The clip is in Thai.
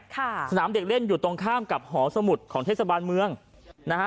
สนามเด็กเล่นอยู่ตรงข้ามกับหอสมุดของเทศบาลเมืองนะฮะ